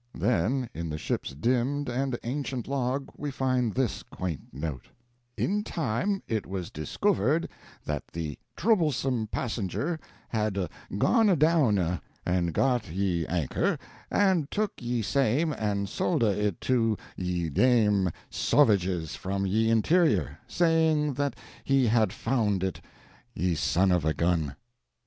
Then in the ship's dimmed and ancient log we find this quaint note: "In time it was discouvered yt ye troblesome passenger hadde gonne downe and got ye anchor, and toke ye same and solde it to ye dam sauvages from ye interior, saying yt he hadde founde it, ye sonne of a ghun!"